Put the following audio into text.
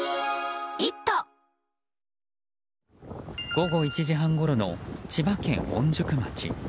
午後１時半ごろの千葉県御宿町。